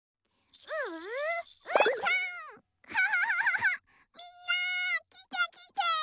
キャハハハハみんなきてきて！